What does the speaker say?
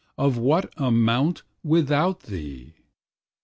of what amount without thee?)